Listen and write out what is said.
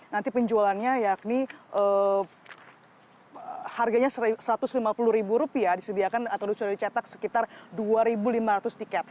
nanti penjualannya yakni harganya rp satu ratus lima puluh disediakan atau sudah dicetak sekitar dua lima ratus tiket